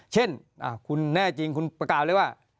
เช่นคุณแน่จริงคุณประกาศเลยว่า